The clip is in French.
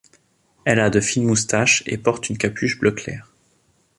Elle a de fines moustaches et porte une capuche bleu-claire.